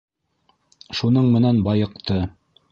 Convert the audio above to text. Шуның менән байыҡты.